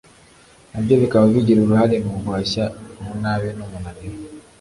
nabyo bikaba bigira uruhare mu guhashya umunabi n’umunaniro